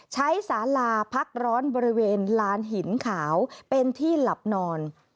สาลาพักร้อนบริเวณลานหินขาวเป็นที่หลับนอน